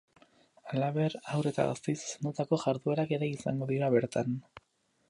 Halaber, haur eta gazteei zuzendutako jarduerak ere izango dira bertan.